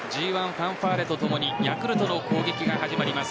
Ｇ１ファンファーレとともにヤクルトの攻撃が始まります。